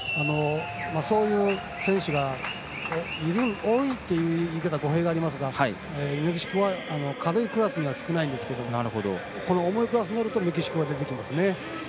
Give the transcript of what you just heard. そういう選手が多いっていう言い方は語弊がありますがメキシコは軽いクラスには少ないんですけどこの重いクラスになるとメキシコが出てきますね。